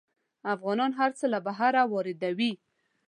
افغانان هر څه له بهر واردوي.